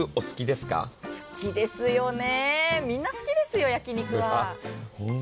好きですよね、みんな好きですよ、焼き肉は。